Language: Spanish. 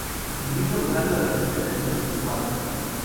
El mismo lugar lo representa en diversos cuadros.